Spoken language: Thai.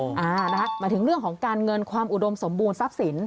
หมายถึงเรื่องของการเงินความอุดมสมบูรณทรัพย์สิน